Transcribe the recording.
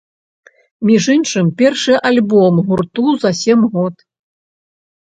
Між іншым, першы альбом гурту за сем год.